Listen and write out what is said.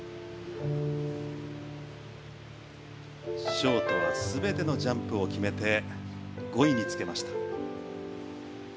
ショートは全てのジャンプを決めて５位につけました。